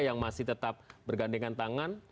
yang masih tetap bergandengan tangan